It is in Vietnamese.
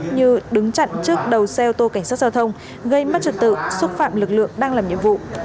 như đứng chặn trước đầu xe ô tô cảnh sát giao thông gây mất trật tự xúc phạm lực lượng đang làm nhiệm vụ